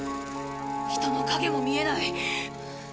人の影も見えない。